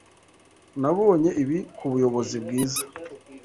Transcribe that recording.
Nabonye ibi kubuyobozi bwiza.